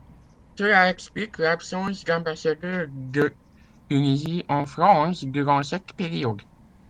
Cela explique l'absence d'ambassadeur de Tunisie en France durant cette période.